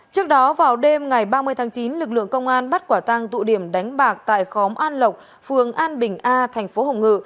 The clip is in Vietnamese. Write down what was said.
trước đó vào đêm ngày ba mươi tháng chín lực lượng công an bắt quả tăng tụ điểm đánh bạc tại khóm an lộc phường an bình a thành phố hồng ngự